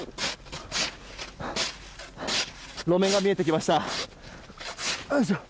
路面が見えてきました。